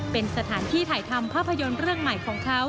เป็นสถานที่ถ่ายทำภาพยนตร์เรื่องใหม่ของเขา